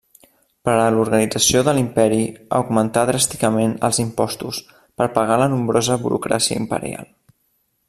Per a l'organització de l'imperi augmentà dràsticament els impostos per pagar la nombrosa burocràcia imperial.